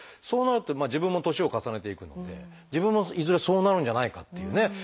そうなると自分も年を重ねていくので自分もいずれそうなるんじゃないかっていうね